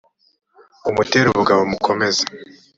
umutere ubugabo umukomeze